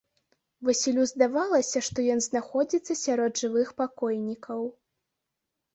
Васілю здавалася, што ён знаходзіцца сярод жывых пакойнікаў.